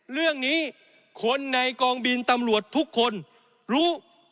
เรื่องนี้คนในกองบินตำรวจทุกคนรู้